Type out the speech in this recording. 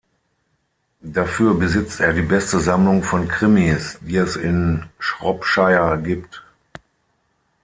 Dafür besitzt er die beste Sammlung von Krimis, die es in Shropshire gibt.